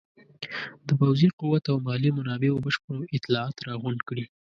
د پوځي قوت او مالي منابعو بشپړ اطلاعات راغونډ کړي.